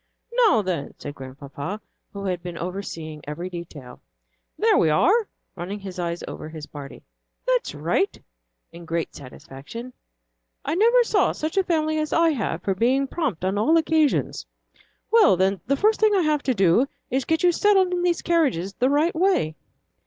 "Now, then," said Grandpapa, who had been overseeing every detail, "here we are," running his eyes over his party; "that's right," in great satisfaction. "I never saw such a family as I have for being prompt on all occasions. Well then, the first thing I have to do is to get you settled in these carriages the right way."